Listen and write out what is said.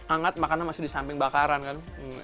hangat makannya masih di samping bakaran kan